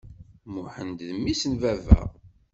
Muḥend d mmi-s n baba.